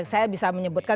saya bisa menyebutkan